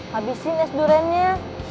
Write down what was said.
habisin es duriannya